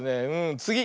つぎ！